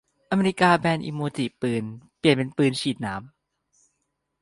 อเมริกาแบนอิโมจิปืน เปลี่ยนเป็นปืนฉีดน้ำ